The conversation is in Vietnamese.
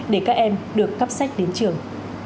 để các em được cắp sách đến trường